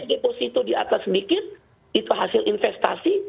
deposito di atas sedikit itu hasil investasi